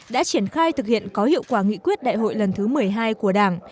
đã triển khai thực hiện có hiệu quả nghị quyết đại hội lần thứ một mươi hai của đảng